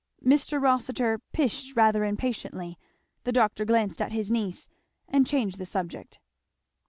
Mr. Rossitur 'pished' rather impatiently. The doctor glanced at his niece, and changed the subject.